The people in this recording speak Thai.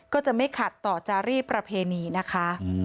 ก็จะไม่ขัดต่อจารีสประเพณีนะคะ